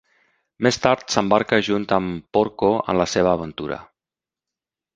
Més tard, s'embarca junt amb Porco en la seva aventura.